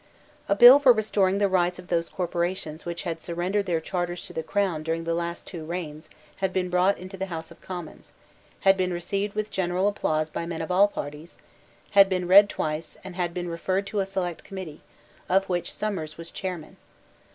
A bill for restoring the rights of those corporations which had surrendered their charters to the Crown during the last two reigns had been brought into the House of Commons, had been received with general applause by men of all parties, had been read twice, and had been referred to a select committee, of which Somers was chairman.